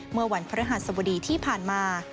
เมื่อวันพระฤหัสบดีที่ผ่านมา